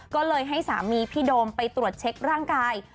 ก็เลยให้สามีพี่โดมไปตรวจเช็คร่างกาย